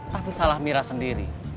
tapi salah mira sendiri